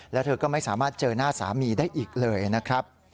แล้วเธอก็ไม่สามารถเจอหน้าสามีได้อีกเลยนะครับ